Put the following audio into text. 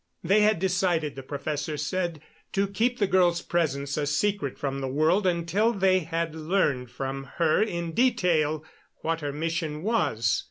They had decided, the professor said, to keep the girl's presence a secret from the world until they had learned from her in detail what her mission was.